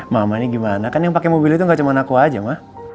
mama ini gimana kan yang pake mobil itu gak cuma aku aja ma